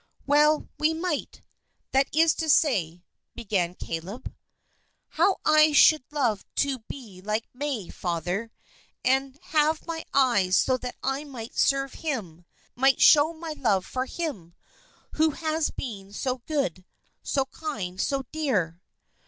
"Well, we might that is to say " began Caleb. "How I should love to be like May, Father, and have my eyes so that I might serve him, might show my love for him, who has been so good, so kind, so dear."